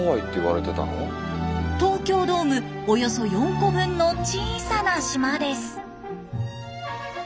東京ドームおよそ４個分の小さな島です。